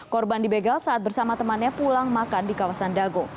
korban dibegal saat bersama temannya pulang makan di kawasan dago